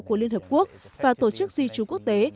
của liên hợp quốc và tổ chức di trú quốc tế